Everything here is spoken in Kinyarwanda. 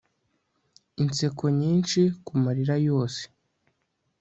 inseko nyinshi kumarira yose